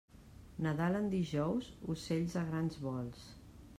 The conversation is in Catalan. Nadal en dijous, ocells a grans vols.